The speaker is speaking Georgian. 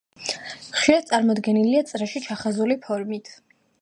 ხშირად წარმოდგენილია წრეში ჩახაზული ფორმით.